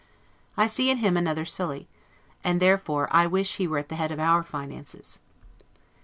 I see in him another Sully; and therefore I wish he were at the head of our finances.